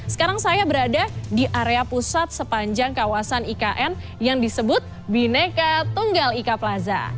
sekarang saya berada di area pusat sepanjang kawasan ikn yang disebut bineka tunggal ika plaza